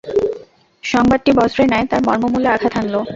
সংবাদটি বজ্রের ন্যায় তার মর্মমূলে আঘাত হানল।